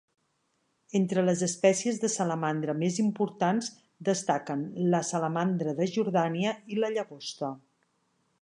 Entre les espècies de salamandra més importants destaquen la salamandra de Jordània i la llagosta.